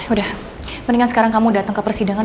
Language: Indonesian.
udah mendingan sekarang kamu datang ke persidangan